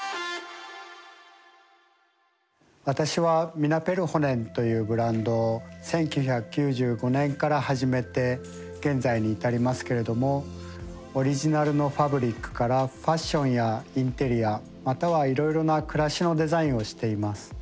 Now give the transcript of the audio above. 私は「ミナペルホネン」というブランドを１９９５年から始めて現在に至りますけれどもオリジナルのファブリックからファッションやインテリアまたはいろいろな暮らしのデザインをしています。